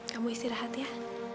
kamu istirahat ya